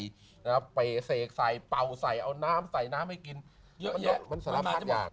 เป๋เสกใส่เป่าใส่เอาน้ำใส่น้ำให้กินเยอะแยะมันสารมาทุกอย่าง